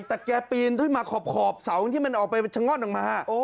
แต่แกปีนมาขอบเสาที่มันออกไปชะงอดออกมา